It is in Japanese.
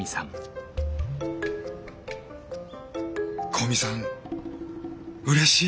古見さんうれしい。